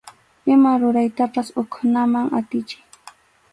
Ima ruraytapas hukkunaman atichiy.